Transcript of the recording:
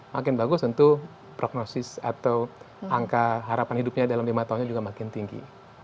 makin bagus tentu prognosis atau angka harapan hidupnya dalam lima tahunnya juga makin tinggi